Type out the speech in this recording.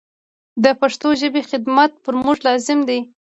د پښتو ژبي خدمت پر موږ لازم دی.